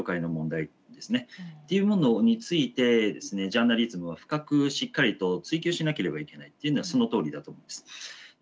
ジャーナリズムは深くしっかりと追及しなければいけないというのはそのとおりだと思います。